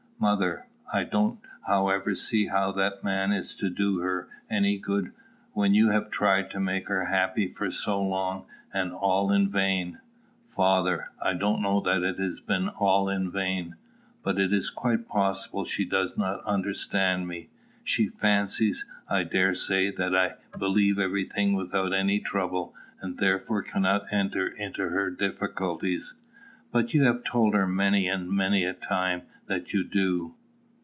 Mother. I don't, however, see how that man is to do her any good, when you have tried to make her happy for so long, and all in vain. Father. I don't know that it has been all in vain. But it is quite possible she does not understand me. She fancies, I dare say, that I believe every thing without any trouble, and therefore cannot enter into her difficulties. Mother. But you have told her many and many a time that you do.